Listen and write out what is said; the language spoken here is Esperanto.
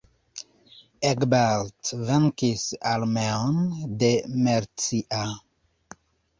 Egbert venkis armeon de Mercia.